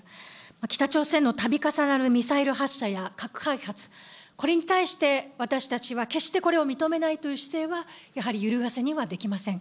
北朝鮮のたび重なるミサイル発射や核開発、これに対して私たちは、決してこれを認めないという姿勢はやはりゆるがせにはできません。